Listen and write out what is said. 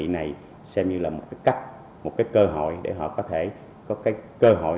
này xem như là một cái cách một cái cơ hội để họ có thể có cái cơ hội